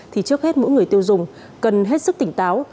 thì trước hết mỗi người tiêu dùng cần hết sức tỉnh táo